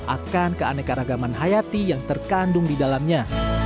akan keanekaragaman hayati yang terkandung di dalamnya